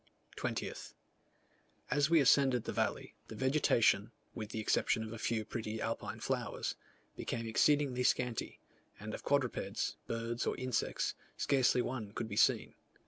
20th. As we ascended the valley, the vegetation, with the exception of a few pretty alpine flowers, became exceedingly scanty, and of quadrupeds, birds, or insects, scarcely one could be seen.